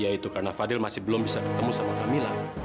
ya itu karena fadil masih belum bisa ketemu sama kamila